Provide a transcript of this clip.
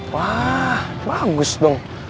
wah bagus dong